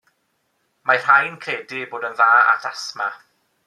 Mae rhai'n credu eu bod yn dda at asma.